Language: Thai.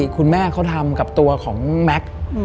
คุณแม่เขาทำกับตัวของแม็กซ์